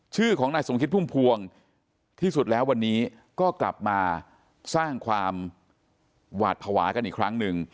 ชื่อของนายสมคิดพุ่มพวงที่สุดแล้ววันนี้ก็กลับมาสร้างความหวาดภาวะกันอีกครั้งหนึ่ง